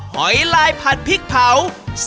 หอยลายผัดพริกเผา